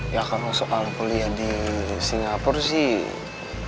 ya kalau soal kuliah di singapura sih